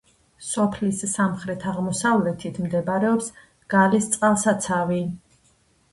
სოფლის სამხრეთ-აღმოსავლეთით მდებარეობს გალის წყალსაცავი.